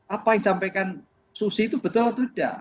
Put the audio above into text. apa yang disampaikan susi itu betul atau tidak